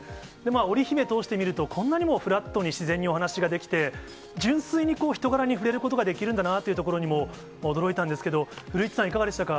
オリヒメを通してみると、こんなにもフラットに自然にお話ができて、純粋に人柄に触れることができるんだなっていうところにも、驚いたんですけど、古市さん、いかがでしたか？